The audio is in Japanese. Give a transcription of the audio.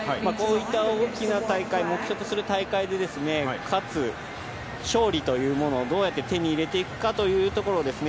大きな大会、目標とする大会で勝つ、勝利というものをどうやって手に入れていくかというところですね。